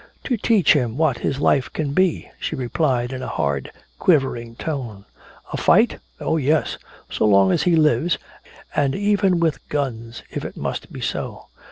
"To teach him what his life can be!" she replied in a hard quivering tone. "A fight? Oh yes! So long as he lives and even with guns if it must be so!